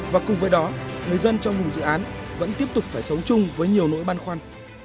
và cùng với đó người dân trong vùng dự án vẫn tiếp tục phải sống chung với nhiều nỗi băn khoăn